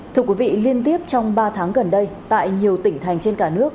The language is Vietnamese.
thưa quý vị liên tiếp trong ba tháng gần đây tại nhiều tỉnh thành trên cả nước